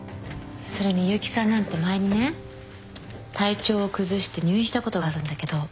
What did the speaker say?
それに悠木さんなんて前にね体調を崩して入院したことがあるんだけど。